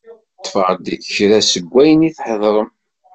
Ṭṭfeɣ-d kra seg ayen theddrem.